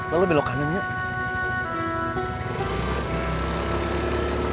lalu belok belok aja ya pak akung